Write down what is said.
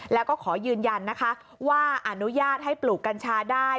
แล้วก็ขอยืนยันนะคะว่าอนุญาตให้ปลูกกัญชาได้